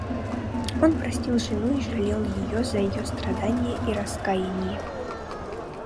Он простил жену и жалел ее за ее страдания и раскаяние.